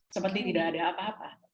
seperti tidak ada apa apa